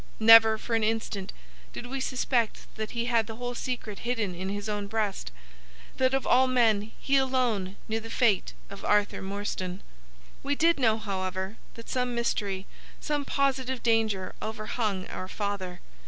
Never for an instant did we suspect that he had the whole secret hidden in his own breast,—that of all men he alone knew the fate of Arthur Morstan. "We did know, however, that some mystery—some positive danger—overhung our father.